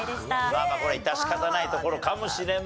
まあまあこれ致し方ないところかもしれません。